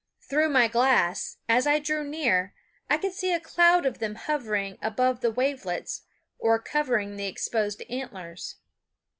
Through my glass, as I drew near, I could see a cloud of them hovering above the wavelets, or covering the exposed antlers.